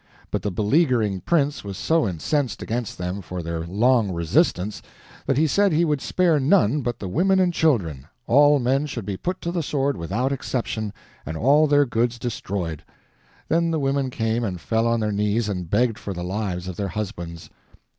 But the beleaguering prince was so incensed against them for their long resistance that he said he would spare none but the women and children all men should be put to the sword without exception, and all their goods destroyed. Then the women came and fell on their knees and begged for the lives of their husbands.